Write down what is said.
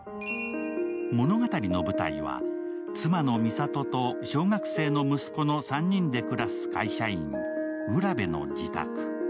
物語の舞台は、妻の美里と小学生はの息子の３人で暮らす会社員、浦部の自宅。